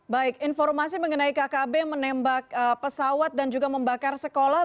baik informasi mengenai kkb menembak pesawat dan juga membakar sekolah